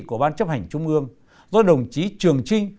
của ban chấp hành trung ương do đồng chí trường trinh